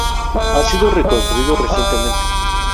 Ha sido reconstruido recientemente.